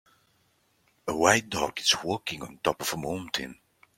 A white dog is walking on top of a mountain.